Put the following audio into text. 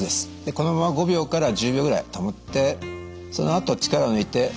このまま５秒から１０秒ぐらい保ってそのあと力を抜いてストン。